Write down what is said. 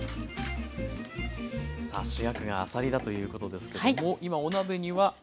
さあ主役があさりだということですけども今お鍋には。